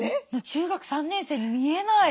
中学３年生に見えない。